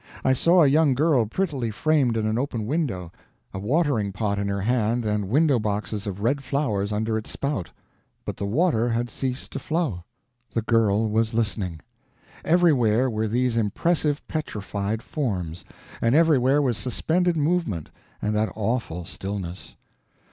I saw a young girl prettily framed in an open window, a watering pot in her hand and window boxes of red flowers under its spout—but the water had ceased to flow; the girl was listening. Everywhere were these impressive petrified forms; and everywhere was suspended movement and that awful stillness.